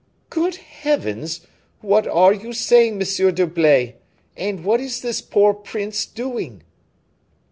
"Good heavens! What are you saying, Monsieur d'Herblay? And what is this poor prince doing?"